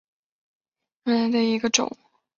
东京鳞毛蕨为鳞毛蕨科鳞毛蕨属下的一个种。